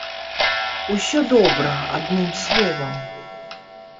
Усё добра, адным словам!